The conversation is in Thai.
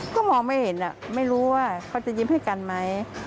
ก็มองไม่เห็นไม่รู้ว่าเขาจะยิ้มให้กันไหม